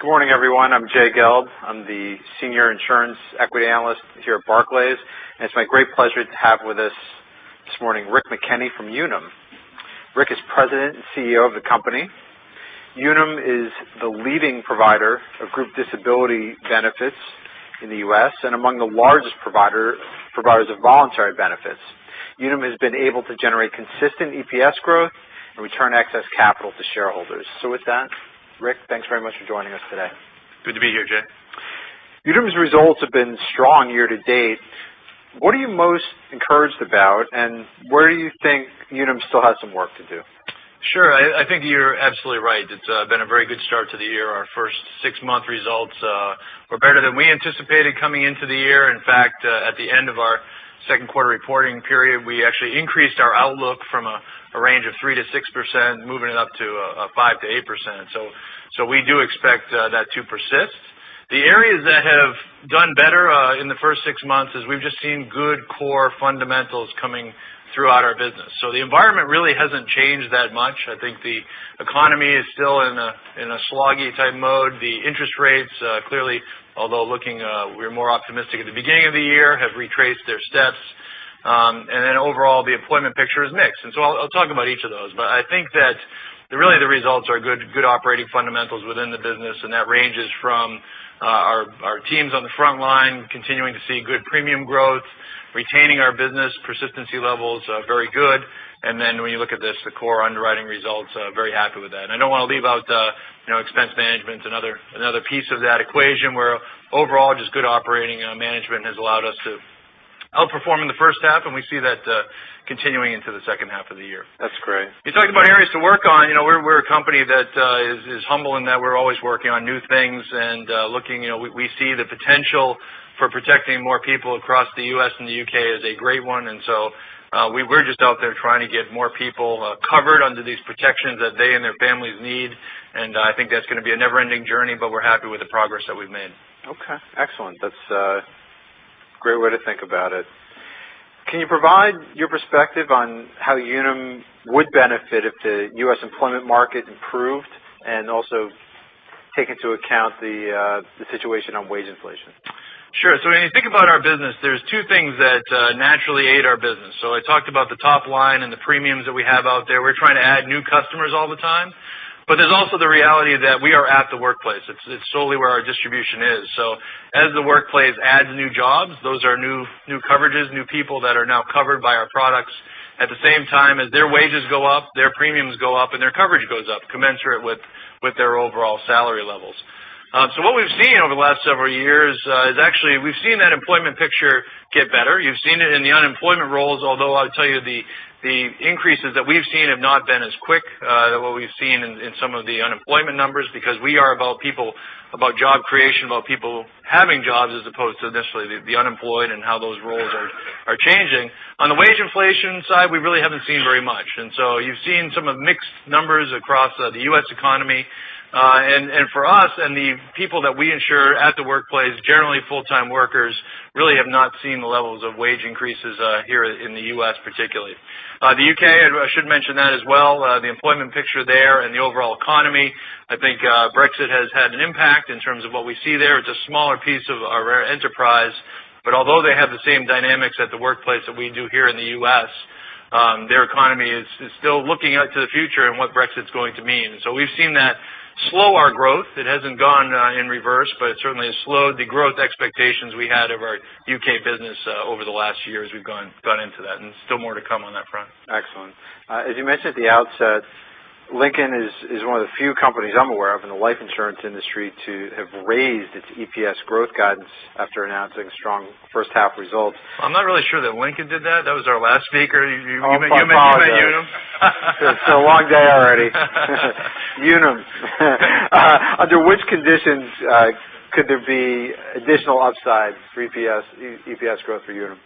Good morning, everyone. I'm Jay Gelb. I'm the Senior Insurance Equity Analyst here at Barclays, it's my great pleasure to have with us this morning Rick McKenney from Unum. Rick is President and CEO of the company. Unum is the leading provider of group disability benefits in the U.S. and among the largest providers of voluntary benefits. Unum has been able to generate consistent EPS growth and return excess capital to shareholders. With that, Rick, thanks very much for joining us today. Good to be here, Jay. Unum's results have been strong year-to-date. What are you most encouraged about, where do you think Unum still has some work to do? Sure. I think you're absolutely right. It's been a very good start to the year. Our first six-month results were better than we anticipated coming into the year. In fact, at the end of our second quarter reporting period, we actually increased our outlook from a range of 3%-6%, moving it up to 5%-8%. We do expect that to persist. The areas that have done better in the first six months is we've just seen good core fundamentals coming throughout our business. The environment really hasn't changed that much. I think the economy is still in a sloggy type mode. The interest rates, clearly, although looking, we were more optimistic at the beginning of the year, have retraced their steps. Overall, the employment picture is mixed. I'll talk about each of those. I think that really the results are good operating fundamentals within the business. That ranges from our teams on the front line continuing to see good premium growth, retaining our business persistency levels very good. When you look at this, the core underwriting results, very happy with that. I don't want to leave out expense management, another piece of that equation where overall, just good operating management has allowed us to out-perform in the first half, and we see that continuing into the second half of the year. That's great. You talk about areas to work on. We're a company that is humble in that we're always working on new things and we see the potential for protecting more people across the U.S. and the U.K. as a great one. We're just out there trying to get more people covered under these protections that they and their families need. I think that's going to be a never-ending journey, but we're happy with the progress that we've made. Okay. Excellent. That's a great way to think about it. Can you provide your perspective on how Unum would benefit if the U.S. employment market improved, also take into account the situation on wage inflation? Sure. When you think about our business, there's two things that naturally aid our business. I talked about the top line and the premiums that we have out there. We're trying to add new customers all the time. There's also the reality that we are at the workplace. It's solely where our distribution is. As the workplace adds new jobs, those are new coverages, new people that are now covered by our products. At the same time, as their wages go up, their premiums go up, and their coverage goes up commensurate with their overall salary levels. What we've seen over the last several years is actually we've seen that employment picture get better. You've seen it in the unemployment rolls, although I'll tell you the increases that we've seen have not been as quick, what we've seen in some of the unemployment numbers, because we are about people, about job creation, about people having jobs, as opposed to initially the unemployed and how those rolls are changing. On the wage inflation side, we really haven't seen very much. You've seen some mixed numbers across the U.S. economy. For us and the people that we insure at the workplace, generally full-time workers, really have not seen the levels of wage increases here in the U.S. particularly. The U.K., I should mention that as well. The employment picture there and the overall economy, I think Brexit has had an impact in terms of what we see there. It's a smaller piece of our enterprise, but although they have the same dynamics at the workplace that we do here in the U.S., their economy is still looking out to the future and what Brexit's going to mean. We've seen that slow our growth. It hasn't gone in reverse, but it certainly has slowed the growth expectations we had of our U.K. business over the last year as we've gone into that, and still more to come on that front. Excellent. As you mentioned at the outset, Lincoln is one of the few companies I'm aware of in the life insurance industry to have raised its EPS growth guidance after announcing strong first half results. I'm not really sure that Lincoln did that. That was our last speaker. You meant Unum? It's been a long day already. Unum. Under which conditions could there be additional upside for EPS growth for Unum?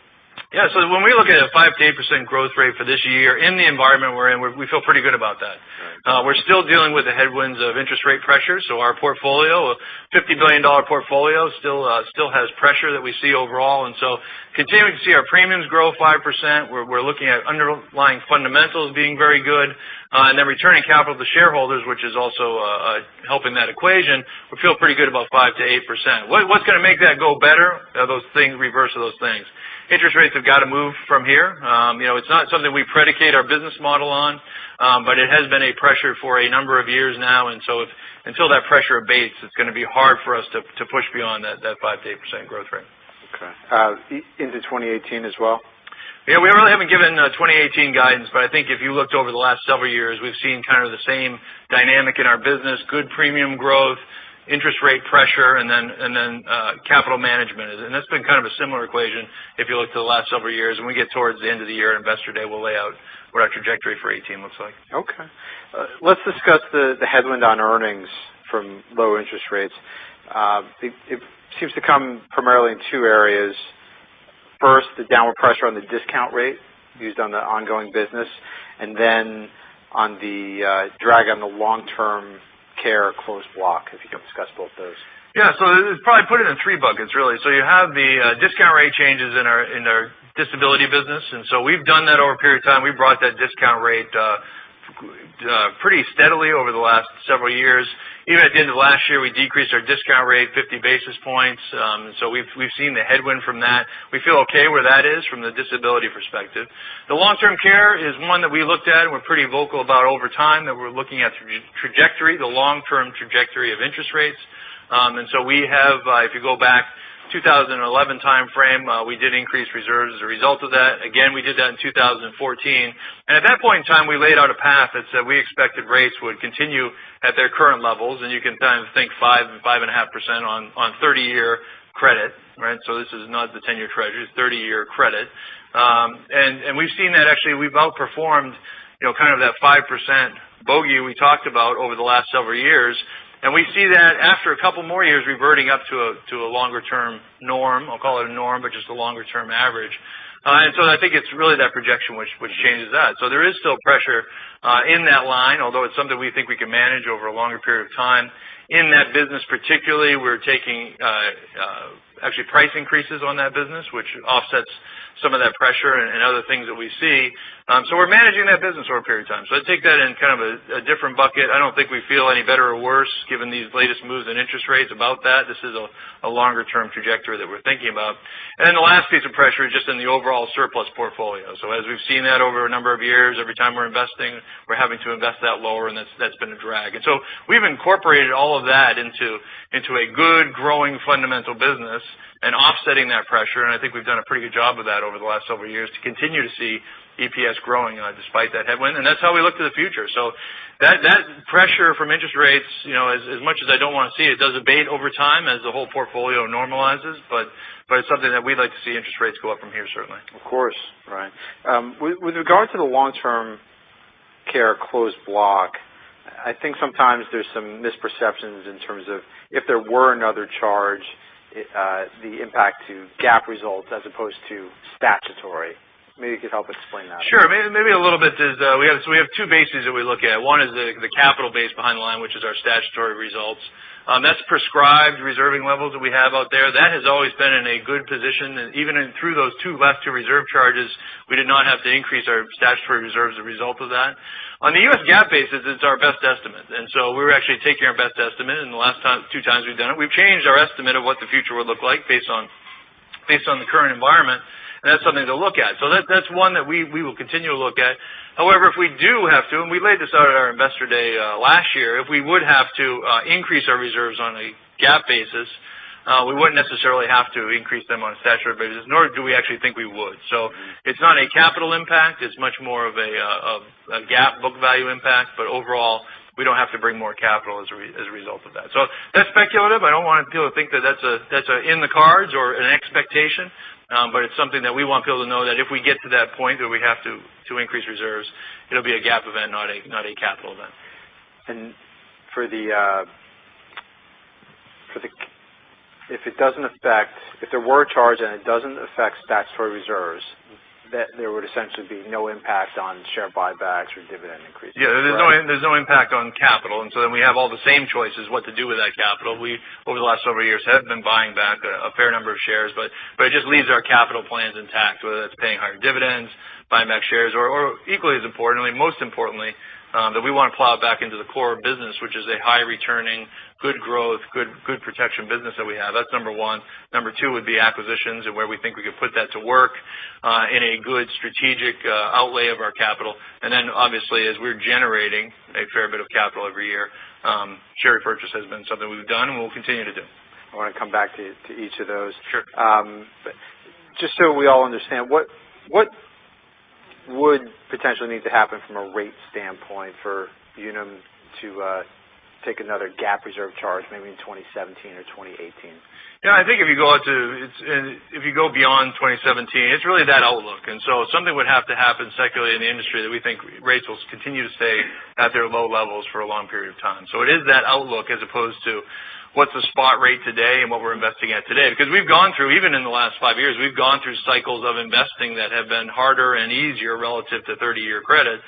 Yeah. When we look at a 5%-8% growth rate for this year in the environment we're in, we feel pretty good about that. Right. We're still dealing with the headwinds of interest rate pressure. Our $50 billion portfolio still has pressure that we see overall, continuing to see our premiums grow 5%, we're looking at underlying fundamentals being very good. Returning capital to shareholders, which is also helping that equation. We feel pretty good about 5%-8%. What's going to make that go better? Those things reverse those things. Interest rates have got to move from here. It's not something we predicate our business model on, but it has been a pressure for a number of years now. Until that pressure abates, it's going to be hard for us to push beyond that 5%-8% growth rate. Okay. Into 2018 as well? We really haven't given 2018 guidance, I think if you looked over the last several years, we've seen kind of the same dynamic in our business, good premium growth, interest rate pressure, and then capital management. That's been kind of a similar equation if you look to the last several years. When we get towards the end of the year at Investor Day, we'll lay out what our trajectory for 2018 looks like. Okay. Let's discuss the headwind on earnings from low interest rates. It seems to come primarily in two areas. First, the downward pressure on the discount rate used on the ongoing business, and then on the drag on the long-term care closed block, if you can discuss both those. Probably put it in three buckets, really. You have the discount rate changes in our disability business. We've done that over a period of time. We brought that discount rate pretty steadily over the last several years. Even at the end of last year, we decreased our discount rate 50 basis points. We've seen the headwind from that. We feel okay where that is from the disability perspective. The long-term care is one that we looked at and we're pretty vocal about over time, that we're looking at trajectory, the long-term trajectory of interest rates. We have, if you go back 2011 timeframe, we did increase reserves as a result of that. Again, we did that in 2014, at that point in time, we laid out a path that said we expected rates would continue at their current levels. You can kind of think 5% and 5.5% on 30-year credit, right? This is not the 10-year treasury, 30-year credit. We've seen that actually, we've outperformed kind of that 5% bogey we talked about over the last several years, and we see that after a couple more years reverting up to a longer term norm. I'll call it a norm, but just a longer term average. I think it's really that projection which changes that. There is still pressure in that line, although it's something we think we can manage over a longer period of time. In that business particularly, we're taking actually price increases on that business, which offsets some of that pressure and other things that we see. We're managing that business over a period of time. I take that in kind of a different bucket. I don't think we feel any better or worse given these latest moves in interest rates about that. This is a longer-term trajectory that we're thinking about. The last piece of pressure is just in the overall surplus portfolio. As we've seen that over a number of years, every time we're investing, we're having to invest that lower, and that's been a drag. We've incorporated all of that into a good, growing, fundamental business and offsetting that pressure. I think we've done a pretty good job of that over the last several years to continue to see EPS growing despite that headwind. That's how we look to the future. That pressure from interest rates, as much as I don't want to see it, does abate over time as the whole portfolio normalizes. It's something that we'd like to see interest rates go up from here, certainly. Of course. Right. With regard to the long-term care closed block, I think sometimes there's some misperceptions in terms of if there were another charge, the impact to GAAP results as opposed to statutory. Maybe you could help explain that. Sure. Maybe a little bit is, we have two bases that we look at. One is the capital base behind the line, which is our statutory results. That's prescribed reserving levels that we have out there. That has always been in a good position. Even through those two left to reserve charges, we did not have to increase our statutory reserves as a result of that. On the U.S. GAAP basis, it's our best estimate. We're actually taking our best estimate, and the last two times we've done it, we've changed our estimate of what the future would look like based on the current environment, and that's something to look at. That's one that we will continue to look at. However, if we do have to, and we laid this out at our Investor day last year, if we would have to increase our reserves on a GAAP basis, we wouldn't necessarily have to increase them on a statutory basis, nor do we actually think we would. It's not a capital impact. It's much more of a GAAP book value impact. Overall, we don't have to bring more capital as a result of that. That's speculative. I don't want people to think that that's in the cards or an expectation. It's something that we want people to know, that if we get to that point where we have to increase reserves, it'll be a GAAP event, not a capital event. If there were a charge and it doesn't affect statutory reserves, that there would essentially be no impact on share buybacks or dividend increases. Yeah. There's no impact on capital. We have all the same choices what to do with that capital. We, over the last several years, have been buying back a fair number of shares, but it just leaves our capital plans intact, whether that's paying higher dividends, buying back shares, or equally as importantly, most importantly, that we want to plow back into the core business, which is a high returning, good growth, good protection business that we have. That's number one. Number two would be acquisitions and where we think we could put that to work in a good strategic outlay of our capital. Obviously, as we're generating a fair bit of capital every year, share repurchase has been something we've done and we'll continue to do. I want to come back to each of those. Sure. Just so we all understand, what would potentially need to happen from a rate standpoint for Unum to take another GAAP reserve charge maybe in 2017 or 2018? Yeah, I think if you go beyond 2017, it's really that outlook. Something would have to happen secularly in the industry that we think rates will continue to stay at their low levels for a long period of time. It is that outlook as opposed to what's the spot rate today and what we're investing at today. Because we've gone through, even in the last five years, we've gone through cycles of investing that have been harder and easier relative to 30-year credit.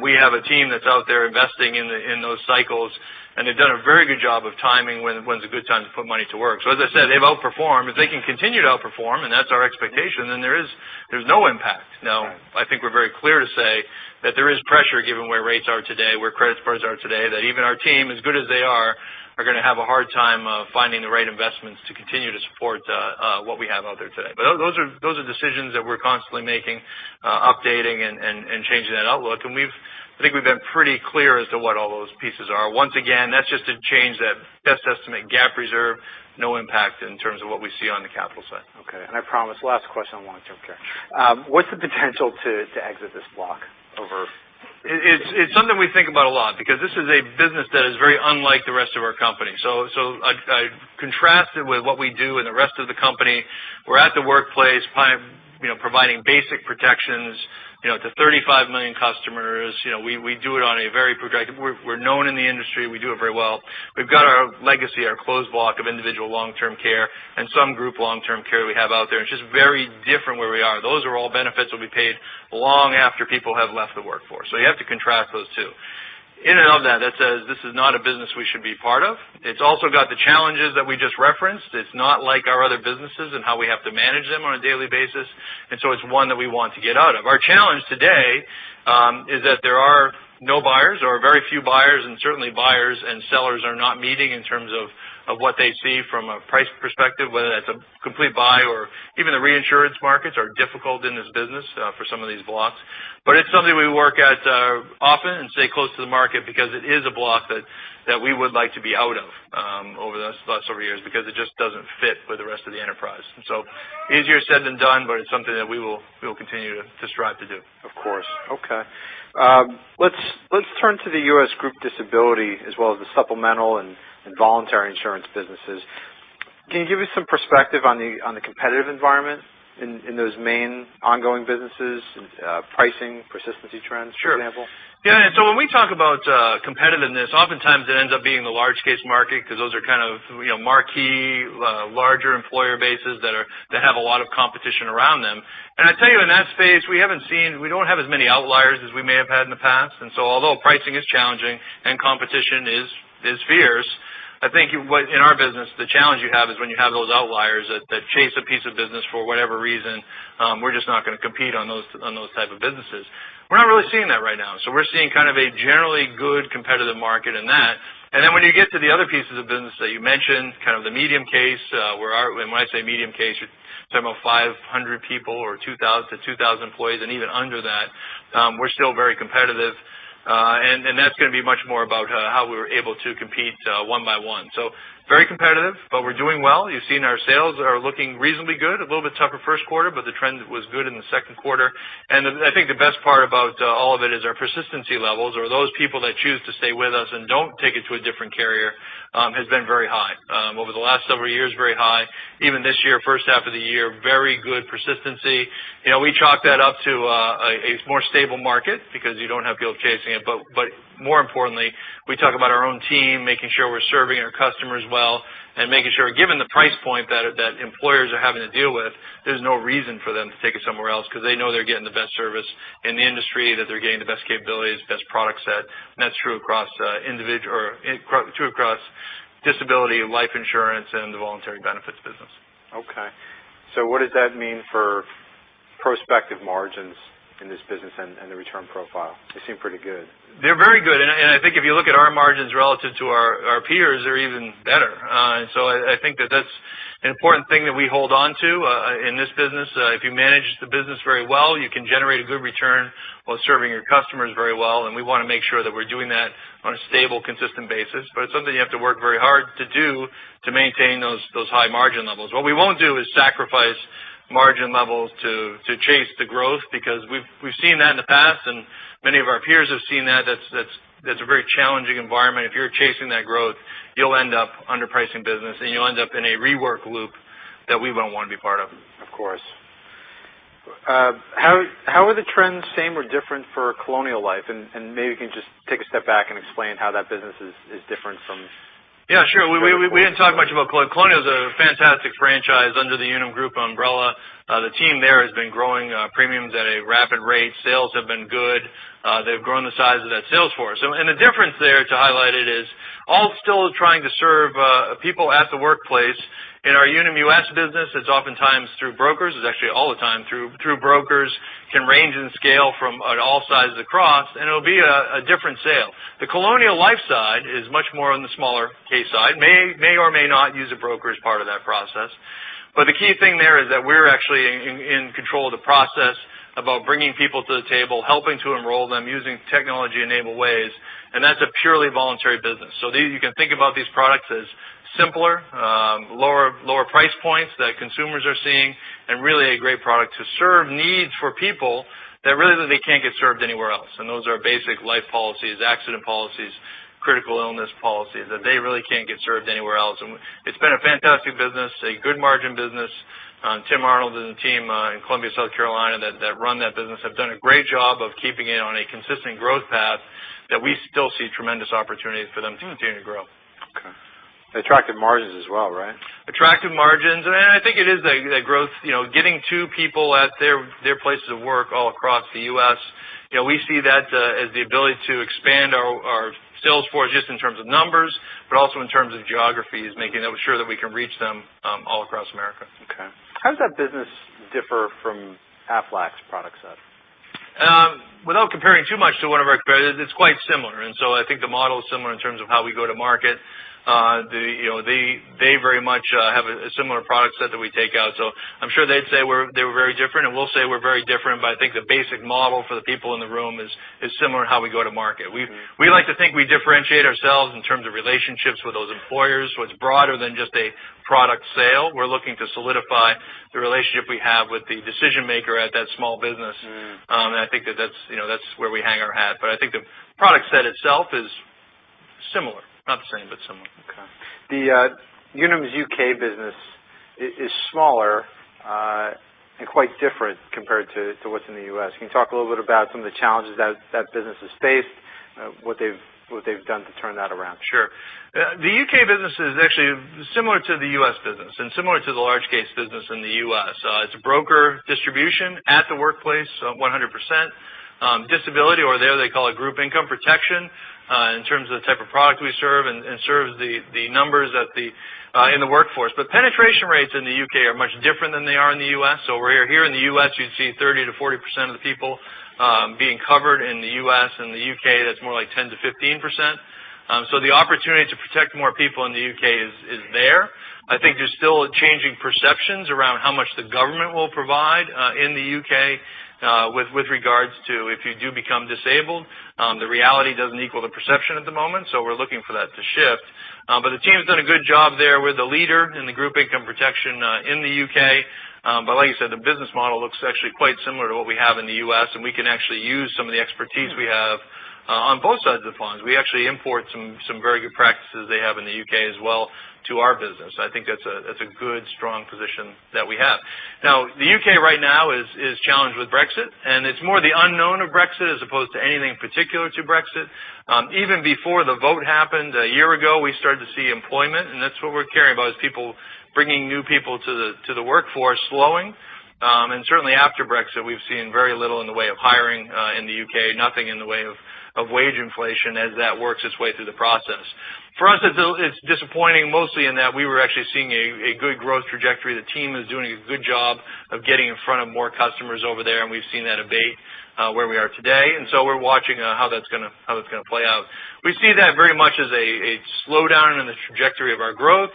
We have a team that's out there investing in those cycles, and they've done a very good job of timing when's a good time to put money to work. As I said, they've outperformed. If they can continue to outperform, and that's our expectation, there's no impact. Now, I think we're very clear to say that there is pressure given where rates are today, where credit spreads are today, that even our team, as good as they are going to have a hard time finding the right investments to continue to support what we have out there today. Those are decisions that we're constantly making, updating, and changing that outlook. I think we've been pretty clear as to what all those pieces are. Once again, that's just a change, that best estimate GAAP reserve, no impact in terms of what we see on the capital side. Okay. I promise, last question on long-term care. What's the potential to exit this block over? It's something we think about a lot because this is a business that is very unlike the rest of our company. I contrast it with what we do in the rest of the company. We're at the workplace providing basic protections to 35 million customers. We're known in the industry. We do it very well. We've got our legacy, our closed block of individual long-term care and some group long-term care we have out there. It's just very different where we are. Those are all benefits that'll be paid long after people have left the workforce. You have to contrast those two. In and of that says this is not a business we should be part of. It's also got the challenges that we just referenced. It's not like our other businesses and how we have to manage them on a daily basis. It's one that we want to get out of. Our challenge today is that there are no buyers or very few buyers, and certainly buyers and sellers are not meeting in terms of what they see from a price perspective, whether that's a complete buy or even the reinsurance markets are difficult in this business for some of these blocks. It's something we work at often and stay close to the market because it is a block that we would like to be out of over the last several years because it just doesn't fit with the rest of the enterprise. Easier said than done, but it's something that we will continue to strive to do. Of course. Okay. Let's turn to the U.S. Group Disability as well as the supplemental and voluntary insurance businesses. Can you give us some perspective on the competitive environment in those main ongoing businesses, pricing, persistency trends, for example? Sure. Yeah, when we talk about competitiveness, oftentimes it ends up being the large case market because those are kind of marquee, larger employer bases that have a lot of competition around them. I tell you, in that space, we don't have as many outliers as we may have had in the past, although pricing is challenging and competition is fierce, I think in our business, the challenge you have is when you have those outliers that chase a piece of business for whatever reason, we're just not going to compete on those type of businesses. We're not really seeing that right now. We're seeing kind of a generally good competitive market in that. When you get to the other pieces of business that you mentioned, kind of the medium case, when I say medium case, you're talking about 500 people or to 2,000 employees and even under that, we're still very competitive. That's going to be much more about how we were able to compete one by one. Very competitive, but we're doing well. You've seen our sales are looking reasonably good. A little bit tougher first quarter, but the trend was good in the second quarter. I think the best part about all of it is our persistency levels or those people that choose to stay with us and don't take it to a different carrier, has been very high. Over the last several years, very high. Even this year, first half of the year, very good persistency. We chalk that up to a more stable market because you don't have people chasing it. More importantly, we talk about our own team, making sure we're serving our customers well and making sure, given the price point that employers are having to deal with, there's no reason for them to take it somewhere else because they know they're getting the best service in the industry, that they're getting the best capabilities, best product set, and that's true across disability, life insurance, and the voluntary benefits business. Okay. What does that mean for prospective margins in this business and the return profile? They seem pretty good. They're very good. I think if you look at our margins relative to our peers, they're even better. I think that that's an important thing that we hold on to in this business. If you manage the business very well, you can generate a good return while serving your customers very well. We want to make sure that we're doing that on a stable, consistent basis. It's something you have to work very hard to do to maintain those high margin levels. What we won't do is sacrifice margin levels to chase the growth because we've seen that in the past and many of our peers have seen that. That's a very challenging environment. If you're chasing that growth, you'll end up underpricing business and you'll end up in a rework loop that we don't want to be part of. Of course. How are the trends same or different for Colonial Life? Maybe you can just take a step back and explain how that business is different from- Yeah, sure. We didn't talk much about Colonial. Colonial is a fantastic franchise under the Unum Group umbrella. The team there has been growing premiums at a rapid rate. Sales have been good. They've grown the size of that sales force. The difference there, to highlight it, is all still trying to serve people at the workplace. In our Unum US business, it's oftentimes through brokers. It's actually all the time through brokers, can range in scale from all sizes across. It'll be a different sale. The Colonial Life side is much more on the smaller case side, may or may not use a broker as part of that process. The key thing there is that we're actually in control of the process about bringing people to the table, helping to enroll them using technology-enabled ways. That's a purely voluntary business. You can think about these products as simpler, lower price points that consumers are seeing, really a great product to serve needs for people that really they can't get served anywhere else. Those are basic life policies, accident policies, critical illness policies that they really can't get served anywhere else. It's been a fantastic business, a good margin business. Tim Arnold and the team in Columbia, South Carolina, that run that business have done a great job of keeping it on a consistent growth path that we still see tremendous opportunities for them to continue to grow. Okay. Attractive margins as well, right? Attractive margins. I think it is that growth, getting to people at their places of work all across the U.S., we see that as the ability to expand our sales force just in terms of numbers, but also in terms of geographies, making sure that we can reach them all across America. Okay. How does that business differ from Aflac's product set? Without comparing too much to one of our competitors, it's quite similar. I think the model is similar in terms of how we go to market. They very much have a similar product set that we take out. I'm sure they'd say they were very different, and we'll say we're very different, but I think the basic model for the people in the room is similar in how we go to market. We like to think we differentiate ourselves in terms of relationships with those employers, so it's broader than just a product sale. We're looking to solidify the relationship we have with the decision-maker at that small business. I think that that's where we hang our hat. I think the product set itself is similar. Not the same, but similar. Okay. The Unum's U.K. business is smaller, and quite different compared to what's in the U.S. Can you talk a little bit about some of the challenges that business has faced, what they've done to turn that around? Sure. The U.K. business is actually similar to the U.S. business and similar to the large case business in the U.S. It's a broker distribution at the workplace, 100%. Disability or there they call it group income protection, in terms of the type of product we serve and serves the numbers in the workforce. Penetration rates in the U.K. are much different than they are in the U.S. Here in the U.S., you'd see 30%-40% of the people being covered in the U.S. In the U.K., that's more like 10%-15%. The opportunity to protect more people in the U.K. is there. I think there's still changing perceptions around how much the government will provide in the U.K. with regards to if you do become disabled. The reality doesn't equal the perception at the moment, we're looking for that to shift. The team has done a good job there. We're the leader in the group income protection in the U.K. Like I said, the business model looks actually quite similar to what we have in the U.S., and we can actually use some of the expertise we have on both sides of the fence. We actually import some very good practices they have in the U.K. as well to our business. I think that's a good, strong position that we have. The U.K. right now is challenged with Brexit, it's more the unknown of Brexit as opposed to anything particular to Brexit. Even before the vote happened a year ago, we started to see employment, and that's what we're caring about, is bringing new people to the workforce slowing. Certainly after Brexit, we've seen very little in the way of hiring in the U.K., nothing in the way of wage inflation as that works its way through the process. For us, it's disappointing mostly in that we were actually seeing a good growth trajectory. The team is doing a good job of getting in front of more customers over there, we've seen that abate where we are today. So we're watching how that's going to play out. We see that very much as a slowdown in the trajectory of our growth.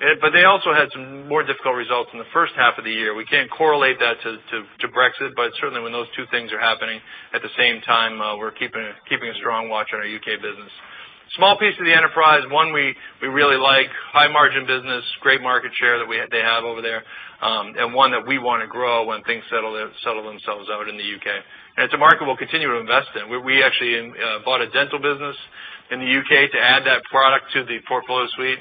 They also had some more difficult results in the first half of the year. We can't correlate that to Brexit, but certainly when those two things are happening at the same time, we're keeping a strong watch on our U.K. business. Small piece of the enterprise, one we really like, high margin business, great market share that they have over there, and one that we want to grow when things settle themselves out in the U.K. It's a market we'll continue to invest in. We actually bought a dental business in the U.K. to add that product to the portfolio suite.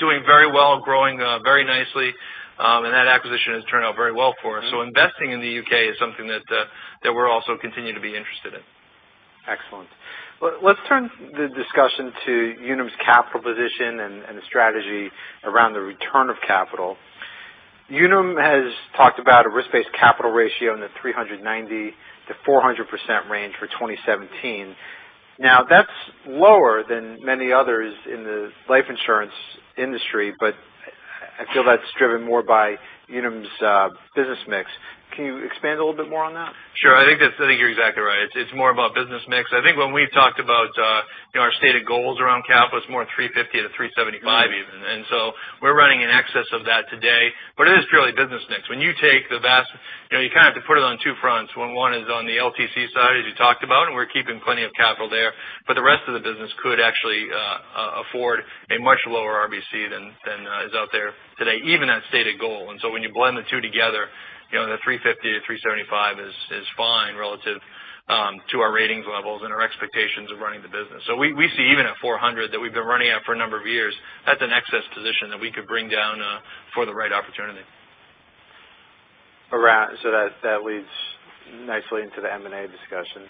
Doing very well, growing very nicely, and that acquisition has turned out very well for us. Investing in the U.K. is something that we'll also continue to be interested in. Excellent. Let's turn the discussion to Unum's capital position and the strategy around the return of capital. Unum has talked about a risk-based capital ratio in the 390%-400% range for 2017. Now, that's lower than many others in the life insurance industry, but I feel that's driven more by Unum's business mix. Can you expand a little bit more on that? Sure. I think you're exactly right. It's more about business mix. I think when we've talked about our stated goals around capital, it's more 350%-375% even. So we're running in excess of that today. It is purely business mix. You kind of have to put it on two fronts. One is on the LTC side, as you talked about, and we're keeping plenty of capital there, but the rest of the business could actually afford a much lower RBC than is out there today, even at stated goal. So when you blend the two together, the 350%-375% is fine relative to our ratings levels and our expectations of running the business. We see even at 400% that we've been running at for a number of years, that's an excess position that we could bring down for the right opportunity. That leads nicely into the M&A discussion.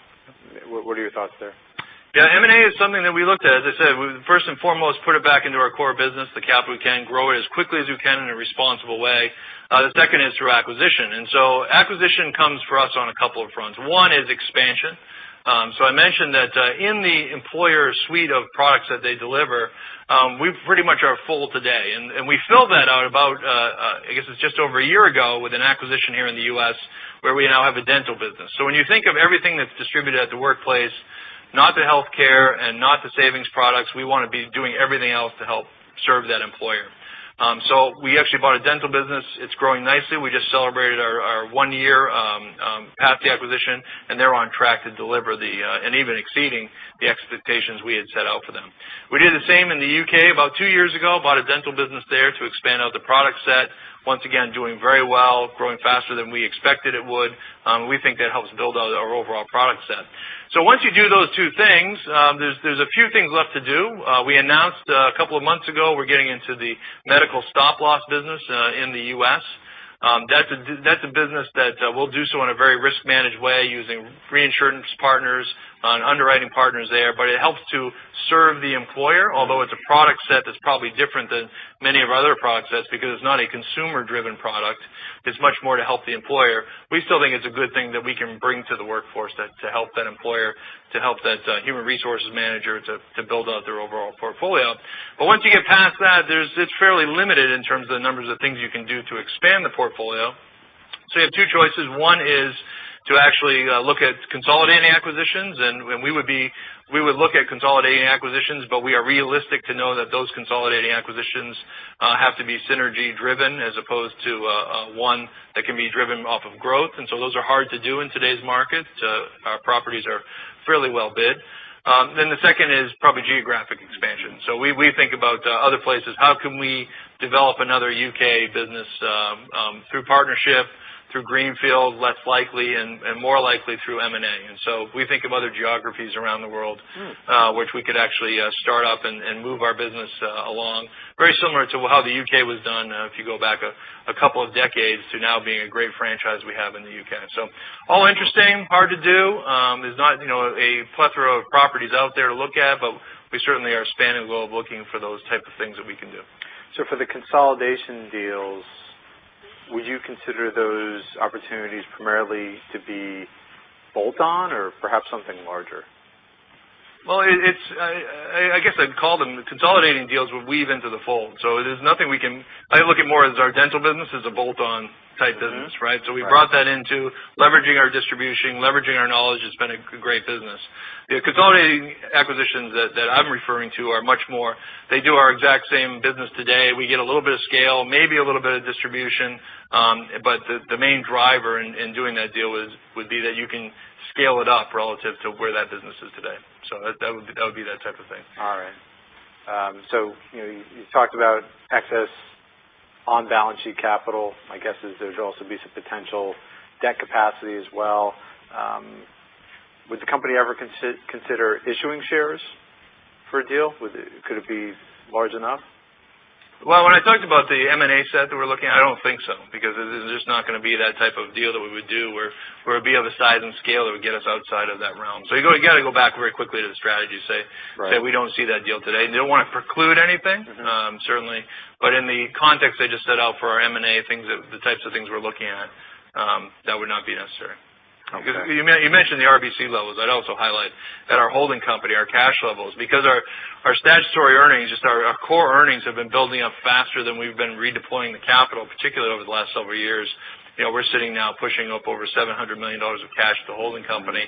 What are your thoughts there? Yeah, M&A is something that we looked at. As I said, we first and foremost put it back into our core business, the capital we can, grow it as quickly as we can in a responsible way. The second is through acquisition. Acquisition comes for us on a couple of fronts. One is expansion. I mentioned that in the employer suite of products that they deliver, we pretty much are full today. We filled that out about, I guess it's just over a year ago, with an acquisition here in the U.S. where we now have a dental business. When you think of everything that's distributed at the workplace, not the healthcare and not the savings products, we want to be doing everything else to help serve that employer. We actually bought a dental business. It's growing nicely. We just celebrated our one year past the acquisition, and they're on track to deliver and even exceeding the expectations we had set out for them. We did the same in the U.K. about two years ago, bought a dental business there to expand out the product set. Once again, doing very well, growing faster than we expected it would. We think that helps build out our overall product set. Once you do those two things, there's a few things left to do. We announced a couple of months ago, we're getting into the medical stop loss business in the U.S. That's a business that we'll do so in a very risk-managed way using reinsurance partners and underwriting partners there. It helps to serve the employer, although it's a product set that's probably different than many of our other products sets because it's not a consumer-driven product. It's much more to help the employer. We still think it's a good thing that we can bring to the workforce to help that employer, to help that human resources manager to build out their overall portfolio. Once you get past that, it's fairly limited in terms of the numbers of things you can do to expand the portfolio. You have two choices. One is to actually look at consolidating acquisitions, and we would look at consolidating acquisitions, but we are realistic to know that those consolidating acquisitions have to be synergy driven as opposed to one that can be driven off of growth. Those are hard to do in today's market. Properties are fairly well bid. The second is probably geographic expansion. We think about other places. How can we develop another U.K. business through partnership, through greenfield, less likely, and more likely through M&A? We think of other geographies around the world which we could actually start up and move our business along. Very similar to how the U.K. was done, if you go back a couple of decades to now being a great franchise we have in the U.K. All interesting, hard to do. There's not a plethora of properties out there to look at, but we certainly are spanning the globe looking for those type of things that we can do. For the consolidation deals, would you consider those opportunities primarily to be bolt-on or perhaps something larger? Well, I guess I'd call them consolidating deals we'll weave into the fold. It is nothing I look at more as our dental business as a bolt-on type business, right? Right. We brought that into leveraging our distribution, leveraging our knowledge. It's been a great business. The consolidating acquisitions that I'm referring to are much more, they do our exact same business today. We get a little bit of scale, maybe a little bit of distribution. The main driver in doing that deal would be that you can scale it up relative to where that business is today. That would be that type of thing. All right. You talked about excess on-balance sheet capital. My guess is there's also be some potential debt capacity as well. Would the company ever consider issuing shares for a deal? Could it be large enough? When I talked about the M&A set that we're looking, I don't think so, because it's just not going to be that type of deal that we would do or be of a size and scale that would get us outside of that realm. You've got to go back very quickly to the strategy. Right Say we don't see that deal today. We don't want to preclude anything. Certainly, in the context I just set out for our M&A, the types of things we're looking at, that would not be necessary. Okay. You mentioned the RBC levels. I'd also highlight that our holding company, our cash levels, because our statutory earnings, just our core earnings, have been building up faster than we've been redeploying the capital, particularly over the last several years. We're sitting now pushing up over $700 million of cash to holding company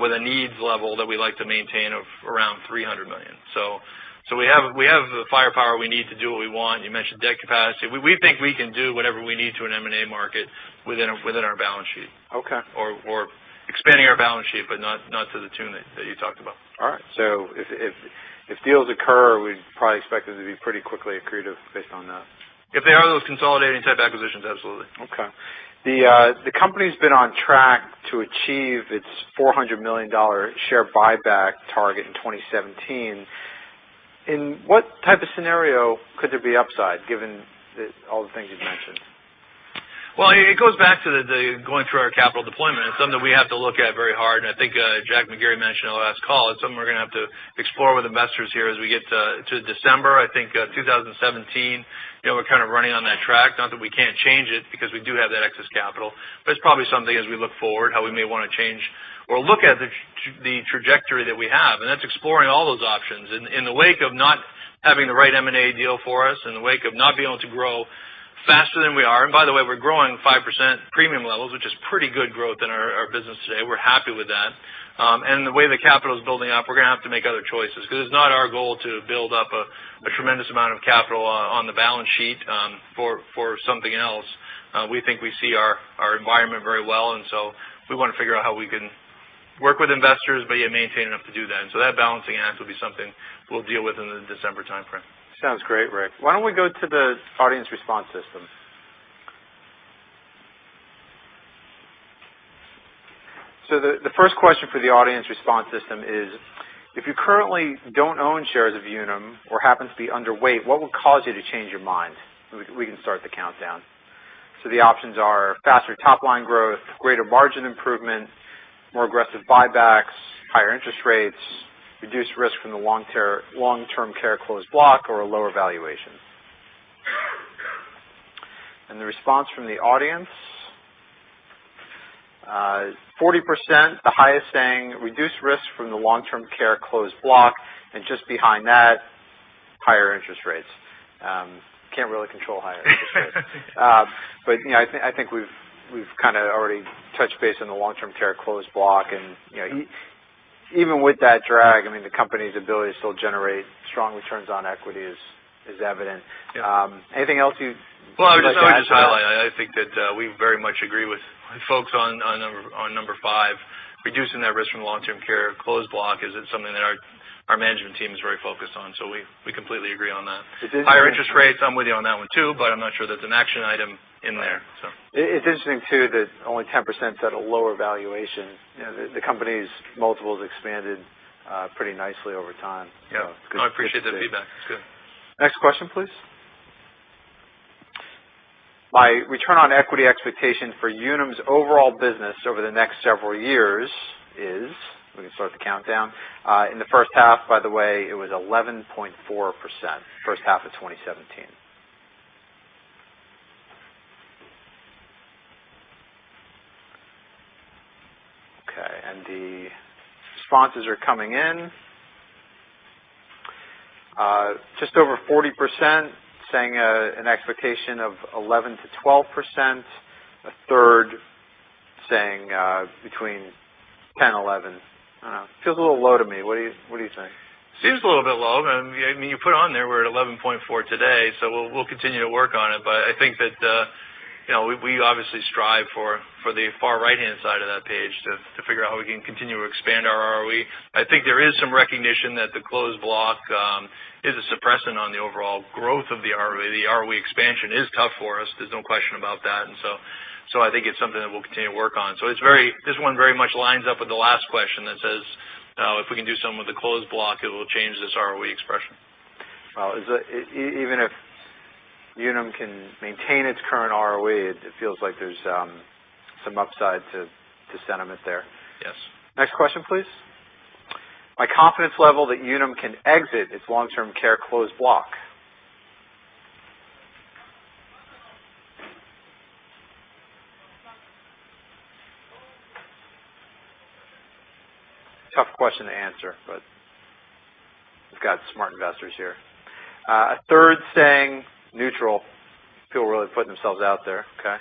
with a needs level that we like to maintain of around $300 million. We have the firepower we need to do what we want. You mentioned debt capacity. We think we can do whatever we need to in an M&A market within our balance sheet. Okay. Expanding our balance sheet, but not to the tune that you talked about. All right. If deals occur, we'd probably expect them to be pretty quickly accretive based on that. If they are those consolidating type acquisitions, absolutely. Okay. The company's been on track to achieve its $400 million share buyback target in 2017. In what type of scenario could there be upside given all the things you've mentioned? It goes back to going through our capital deployment. It's something we have to look at very hard, and I think Jack McGarry mentioned on the last call, it's something we're going to have to explore with investors here as we get to December, I think, 2017. We're kind of running on that track. Not that we can't change it because we do have that excess capital. It's probably something as we look forward, how we may want to change or look at the trajectory that we have, and that's exploring all those options. In the wake of not having the right M&A deal for us, in the wake of not being able to grow faster than we are, and by the way, we're growing 5% premium levels, which is pretty good growth in our business today. We're happy with that. The way the capital is building up, we're going to have to make other choices because it's not our goal to build up a tremendous amount of capital on the balance sheet for something else. We think we see our environment very well, and so we want to figure out how we can work with investors, but yet maintain enough to do that. That balancing act will be something we'll deal with in the December timeframe. Sounds great, Rick. Why don't we go to the audience response system? The first question for the audience response system is, if you currently don't own shares of Unum or happen to be underweight, what would cause you to change your mind? We can start the countdown. The options are faster top-line growth, greater margin improvement, more aggressive buybacks, higher interest rates, reduced risk from the long-term care closed block, or a lower valuation. The response from the audience, 40%, the highest saying reduced risk from the long-term care closed block, and just behind that, higher interest rates. Can't really control higher interest rates. I think we've kind of already touched base on the long-term care closed block, and even with that drag, I mean, the company's ability to still generate strong returns on equity is evident. Yeah. Anything else you'd like to add to that? I would just highlight, I think that we very much agree with folks on number 5, reducing that risk from long-term care closed block is something that our management team is very focused on. We completely agree on that. It is interesting. Higher interest rates, I'm with you on that one, too, I'm not sure that's an action item in there. It's interesting, too, that only 10% said a lower valuation. The company's multiples expanded pretty nicely over time. Yeah. It's good. No, I appreciate the feedback. It's good. Next question, please. My return on equity expectation for Unum's overall business over the next several years is. We can start the countdown. In the first half, by the way, it was 11.4%, first half of 2017. Okay. The responses are coming in. Just over 40% saying an expectation of 11% to 12%. A third saying between 10%, 11%. I don't know. Feels a little low to me. What do you think? Seems a little bit low. You put on there we're at 11.4 today, we'll continue to work on it, I think that we obviously strive for the far right-hand side of that page to figure out how we can continue to expand our ROE. I think there is some recognition that the closed block is a suppressant on the overall growth of the ROE. The ROE expansion is tough for us. There's no question about that. I think it's something that we'll continue to work on. This one very much lines up with the last question that says, if we can do something with the closed block, it will change this ROE expression. Well, even if Unum can maintain its current ROE, it feels like there's some upside to sentiment there. Yes. Next question, please. My confidence level that Unum can exit its long-term care closed block. Tough question to answer, we've got smart investors here. A third saying neutral. People are really putting themselves out there. Okay.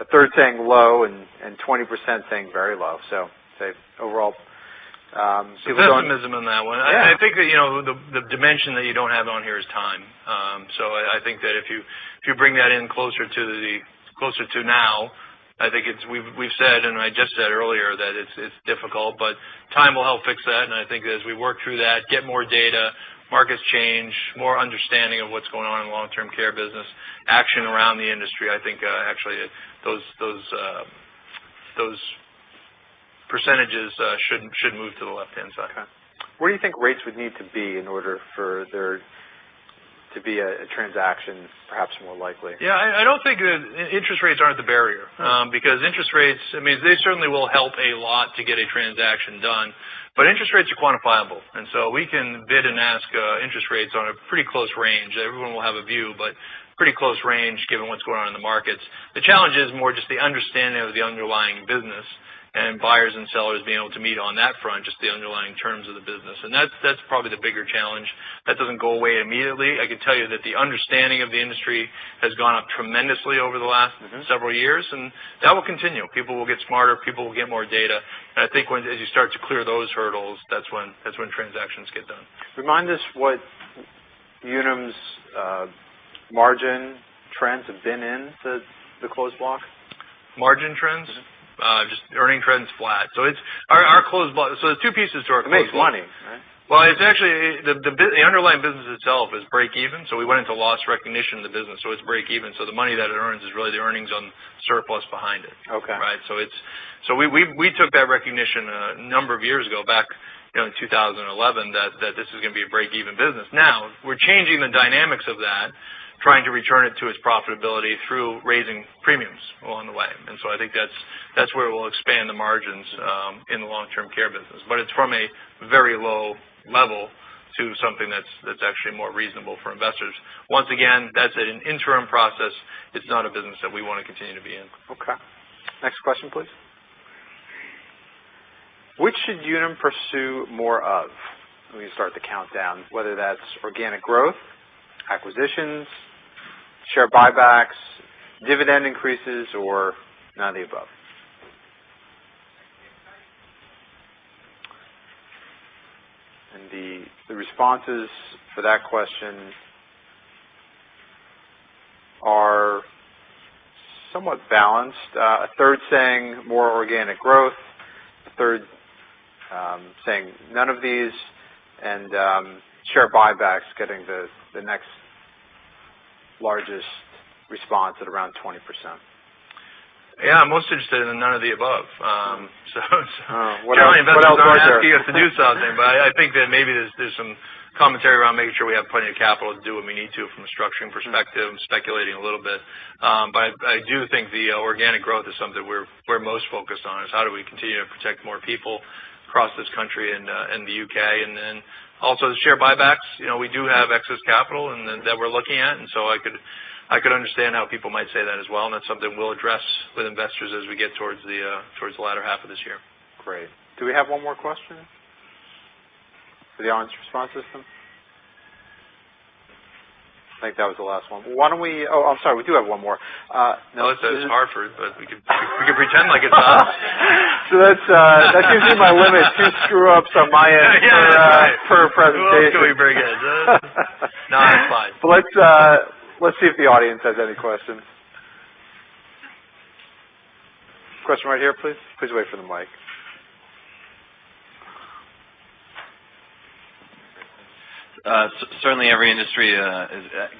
A third saying low and 20% saying very low. I'd say overall- Pessimism on that one. Yeah. I think that the dimension that you don't have on here is time. I think that if you bring that in closer to now, I think we've said, and I just said earlier, that it's difficult, but time will help fix that, and I think as we work through that, get more data, markets change, more understanding of what's going on in the long-term care business, action around the industry, I think actually those percentages should move to the left-hand side. Okay. Where do you think rates would need to be in order for there to be a transaction, perhaps more likely? Yeah. Interest rates aren't the barrier. Interest rates, they certainly will help a lot to get a transaction done. Interest rates are quantifiable, and so we can bid and ask interest rates on a pretty close range. Everyone will have a view, but pretty close range given what's going on in the markets. The challenge is more just the understanding of the underlying business and buyers and sellers being able to meet on that front, just the underlying terms of the business. That's probably the bigger challenge. That doesn't go away immediately. I can tell you that the understanding of the industry has gone up tremendously over the last several years, and that will continue. People will get smarter, people will get more data. I think as you start to clear those hurdles, that's when transactions get done. Remind us what Unum's margin trends have been in the closed block. Margin trends? Just earning trends flat. There's two pieces to our closed block. It makes money, right? Well, actually, the underlying business itself is breakeven, we went into loss recognition of the business. It's breakeven. The money that it earns is really the earnings on surplus behind it. Okay. We took that recognition a number of years ago, back in 2011, that this was going to be a breakeven business. Now, we're changing the dynamics of that, trying to return it to its profitability through raising premiums along the way. I think that's where we'll expand the margins in the long-term care business. It's from a very low level to something that's actually more reasonable for investors. Once again, that's an interim process. It's not a business that we want to continue to be in. Okay. Next question, please. Which should Unum pursue more of? Let me start the countdown, whether that's organic growth, acquisitions, share buybacks, dividend increases, or none of the above. The responses for that question are somewhat balanced. A third saying more organic growth, a third saying none of these, and share buybacks getting the next largest response at around 20%. Yeah, I'm most interested in none of the above. What else is out there? Generally, investors don't ask you to do something, but I think that maybe there's some commentary around making sure we have plenty of capital to do what we need to from a structuring perspective, speculating a little bit. I do think the organic growth is something we're most focused on, is how do we continue to protect more people across this country and the U.K. Also the share buybacks. We do have excess capital that we're looking at, and so I could understand how people might say that as well, and that's something we'll address with investors as we get towards the latter half of this year. Great. Do we have one more question for the audience response system? I think that was the last one. I'm sorry. We do have one more. I know it says Hartford, but we could pretend like it's us. That gives you my limit. Two screw-ups on my end per presentation. Who else can we bring in? No, that's fine. Let's see if the audience has any questions. Question right here, please. Please wait for the mic. Certainly, every industry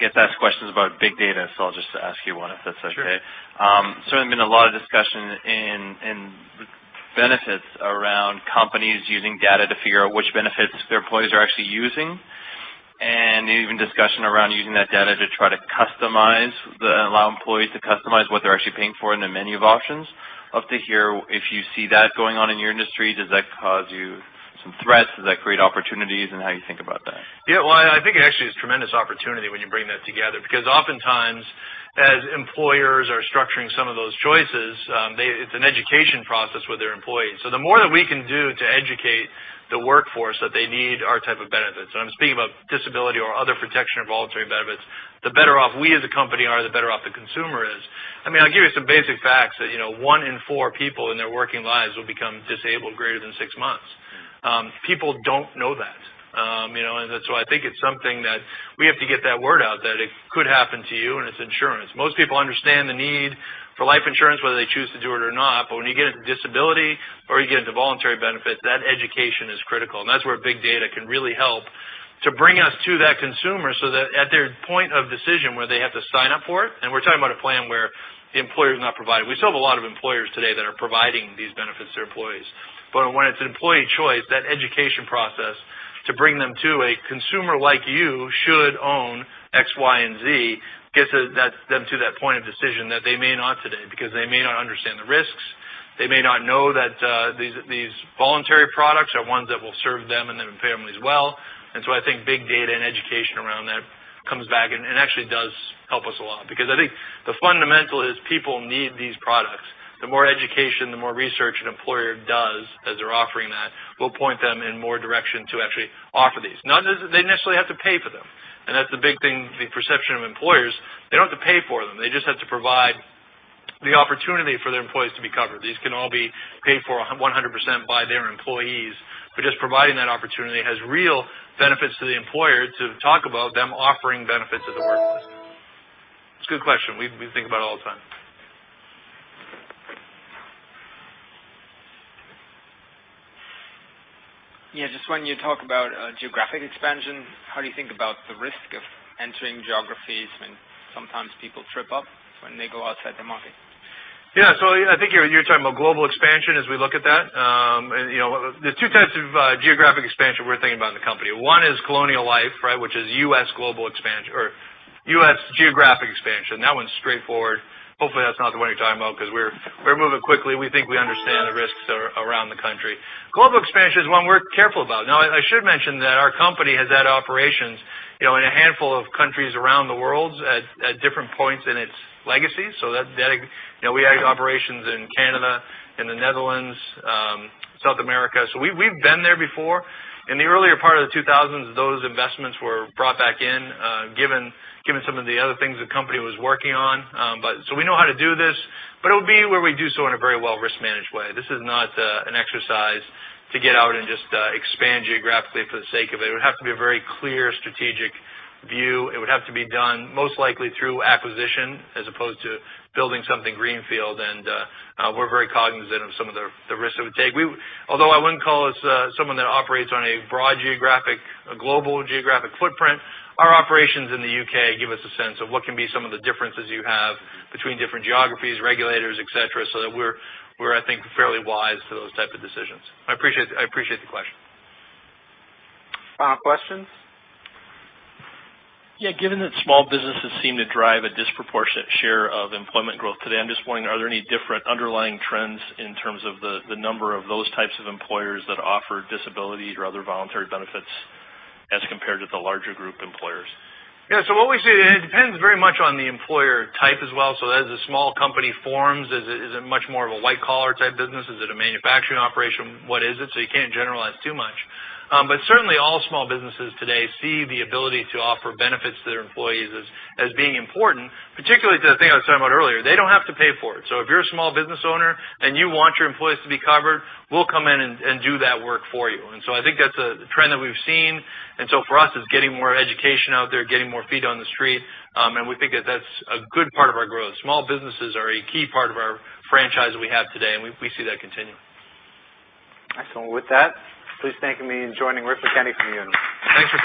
gets asked questions about big data, I'll just ask you one if that's okay. Sure. Certainly been a lot of discussion in the benefits around companies using data to figure out which benefits their employees are actually using, and even discussion around using that data to try to allow employees to customize what they're actually paying for in the menu of options. Love to hear if you see that going on in your industry. Does that cause you some threats? Does that create opportunities? How you think about that. Well, I think it actually is a tremendous opportunity when you bring that together because oftentimes, as employers are structuring some of those choices, it's an education process with their employees. The more that we can do to educate the workforce that they need our type of benefits. I'm speaking about disability or other protection or voluntary benefits. The better off we as a company are, the better off the consumer is. I'll give you some basic facts that one in four people in their working lives will become disabled greater than six months. People don't know that. That's why I think it's something that we have to get that word out, that it could happen to you, and it's insurance. Most people understand the need for life insurance, whether they choose to do it or not. When you get into disability or you get into voluntary benefits, that education is critical. That's where big data can really help to bring us to that consumer so that at their point of decision where they have to sign up for it, and we're talking about a plan where the employer is not providing. We still have a lot of employers today that are providing these benefits to their employees. When it's an employee choice, that education process To bring them to a consumer like you should own X, Y, and Z, gets them to that point of decision that they may not today, because they may not understand the risks, they may not know that these voluntary products are ones that will serve them and their families well. I think big data and education around that comes back and actually does help us a lot, because I think the fundamental is people need these products. The more education, the more research an employer does as they're offering that, will point them in more direction to actually offer these. Not that they necessarily have to pay for them, and that's the big thing, the perception of employers. They don't have to pay for them. They just have to provide the opportunity for their employees to be covered. These can all be paid for 100% by their employees. Just providing that opportunity has real benefits to the employer to talk about them offering benefits to the workforce. It's a good question. We think about it all the time. Just when you talk about geographic expansion, how do you think about the risk of entering geographies when sometimes people trip up when they go outside the market? Yeah. I think you are talking about global expansion as we look at that. There are 2 types of geographic expansion we are thinking about in the company. One is Colonial Life, which is U.S. global expansion or U.S. geographic expansion. That one is straightforward. Hopefully, that is not the one you are talking about because we are moving quickly. We think we understand the risks around the country. Global expansion is one we are careful about. I should mention that our company has had operations in a handful of countries around the world at different points in its legacy. We had operations in Canada, in the Netherlands, South America. We have been there before. In the earlier part of the 2000s, those investments were brought back in, given some of the other things the company was working on. We know how to do this, but it will be where we do so in a very well risk-managed way. This is not an exercise to get out and just expand geographically for the sake of it. It would have to be a very clear strategic view. It would have to be done most likely through acquisition as opposed to building something greenfield, and we are very cognizant of some of the risks it would take. Although I would not call us someone that operates on a broad geographic, a global geographic footprint, our operations in the U.K. give us a sense of what can be some of the differences you have between different geographies, regulators, et cetera. That we are, I think, fairly wise to those types of decisions. I appreciate the question. Final questions? Yeah. Given that small businesses seem to drive a disproportionate share of employment growth today, I am just wondering, are there any different underlying trends in terms of the number of those types of employers that offer disability or other voluntary benefits as compared to the larger group employers? Yeah. What we see, it depends very much on the employer type as well. As a small company forms, is it much more of a white collar type business? Is it a manufacturing operation? What is it? You can't generalize too much. Certainly all small businesses today see the ability to offer benefits to their employees as being important, particularly to the thing I was talking about earlier. They don't have to pay for it. If you're a small business owner and you want your employees to be covered, we'll come in and do that work for you. I think that's a trend that we've seen. For us, it's getting more education out there, getting more feet on the street, and we think that that's a good part of our growth. Small businesses are a key part of our franchise that we have today, and we see that continuing. Excellent. With that, please thank me in joining Rick McKenney from Unum. Thanks, everybody.